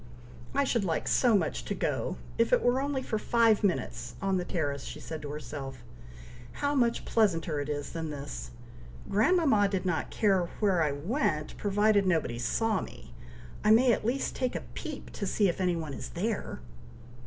"I should like so much to go, if it were only for five minutes, on the terrace!" said she to herself. "How much pleasanter it is than this. Grandmama did not care where I went, provided nobody saw me! I may at least take a peep to see if any one is there!"